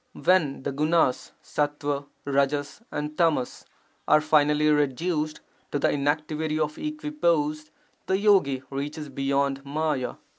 [When the gunas — sattva, rajas, and tamas — are finally reduced to the inactivity of equipoise, the yogi reaches beyond may a.